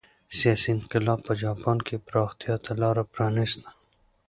سیاسي انقلاب په جاپان کې پراختیا ته لار پرانېسته.